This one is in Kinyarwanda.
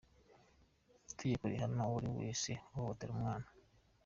Itegeko rihana uwo ari we wese uhohotera umwana.